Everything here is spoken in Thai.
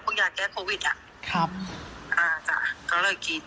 พวกยาแก้โพวิดอ่ะอ่าจ้ะก็เลยกิน